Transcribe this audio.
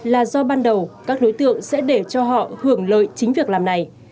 là do ban đầu các đối tượng sẽ để cho họ hưởng lợi chính việc làm này